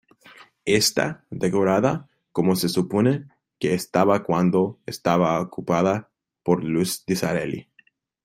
Está decorada como se supone que estaba cuando estaba ocupada por los Disraeli.